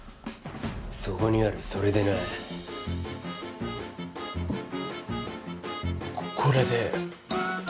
そこにあるそれでなこれで？